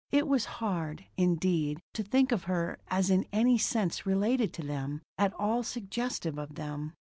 It was hard, indeed, to think of her as in any sense related to them, at all suggestive of them.